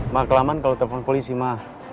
ma kelamaan kalau telepon polisi ma